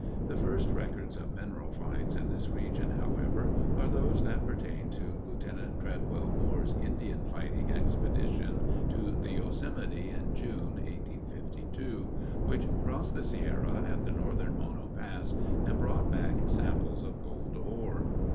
The first records of mineral finds in this region, however, are those that pertain to Lieutenant Tredwell Moore's Indian fighting expedition to the Yosemite in June, 1852 (see p. 46), which crossed the Sierra at the northern Mono Pass and brought back samples of gold ore.